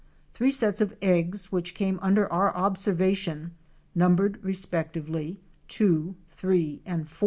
Three sets of eggs which came under our observation numbered respectively 2, 3, and 4.